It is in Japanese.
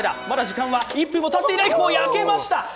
まだ時間は１分もたっていない、焼けました！